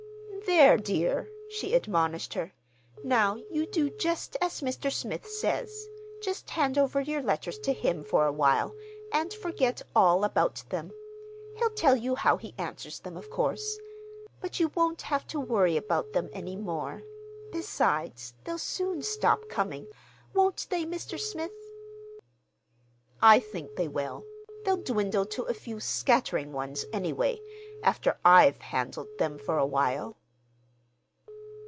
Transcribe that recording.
"There, dear," she admonished her, "now, you do just as Mr. Smith says. Just hand over your letters to him for a while, and forget all about them. He'll tell you how he answers them, of course. But you won't have to worry about them any more. Besides they'll soon stop coming,—won't they, Mr. Smith?" "I think they will. They'll dwindle to a few scattering ones, anyway,—after I've handled them for a while."